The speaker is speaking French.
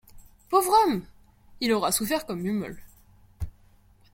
Pauvre homme ! il aura souffert comme Mummol.